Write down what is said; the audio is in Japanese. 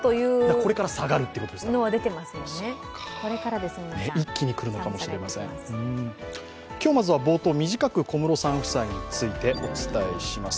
これから下がるということですか、一気ににくるのかもしれません今日まずは冒頭、短く小室さん夫妻について、お伝えします。